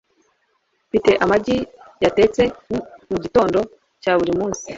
Mfite amagi yatetse mugitondo cya buri munsi.